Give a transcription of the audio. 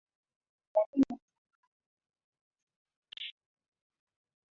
lakini siku tatu kura zinahesabiwa